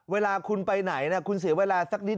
เวลาคุณไปไหนคุณเสียเวลาสักนิด